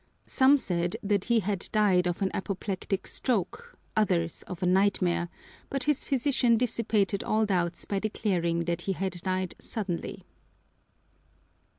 Some said that he had died of an apoplectic stroke, others of a nightmare, but his physician dissipated all doubts by declaring that he had died suddenly.